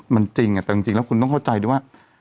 มันจริงแต่จริงแล้วคุณต้องเข้าใจด้วยว่า